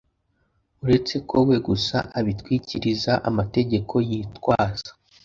uretse ko we gusa abitwikiriza amategeko yitwaza